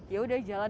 ya sudah jalan